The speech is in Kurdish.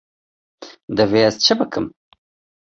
Divê ez çi bikim.